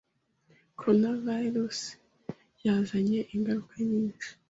Coronavirus yazanye ingaruka nyinshi.